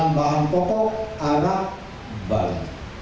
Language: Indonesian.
dengan bahan popok arak bali